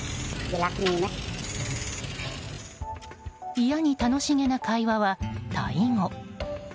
いやに楽し気な会話は、タイ語。